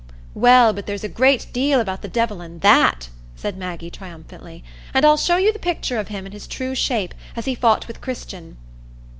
"Well, but there's a great deal about the Devil in that," said Maggie, triumphantly, "and I'll show you the picture of him in his true shape, as he fought with Christian."